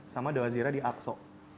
sama doa ziarah di aqso